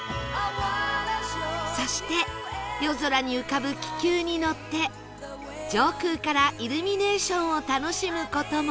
そして夜空に浮かぶ気球に乗って上空からイルミネーションを楽しむ事も